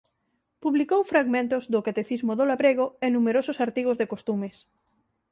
Publicou fragmentos do "Catecismo do labrego" e numerosos artigos de costumes.